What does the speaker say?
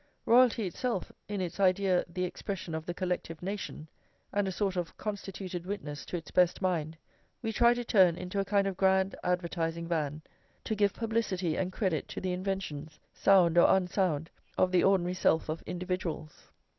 Royalty itself, in its idea the expression of the collective nation, and a sort of constituted witness to its best mind, we try to turn into a kind of grand advertising van, to give publicity and credit to the inventions, sound or unsound, of the ordinary self of individuals.